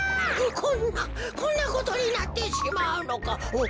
こんなこんなことになってしまうのか。